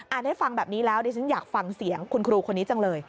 ให้ฟังแบบนี้แล้วดิฉันอยากฟังเสียงคุณครูคนนี้จังเลย